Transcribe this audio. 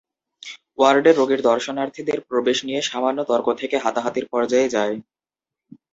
ওয়ার্ডে রোগীর দর্শনার্থীদের প্রবেশ নিয়ে সামান্য তর্ক থেকে হাতাহাতির পর্যায়ে যায়।